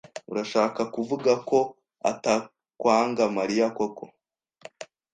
Urashaka kuvuga ko atakwanga Mariya koko?